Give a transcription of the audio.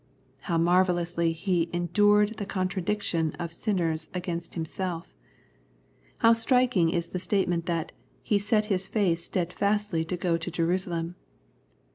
How marvellously He " endured the contradiction of sinners against Himself "! How striking is the statement that " He set His face steadfastly to go to Jerusalem